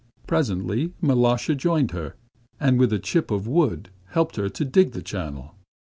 Presently Mal√°sha joined her, and with a chip of wood helped her dig the channel.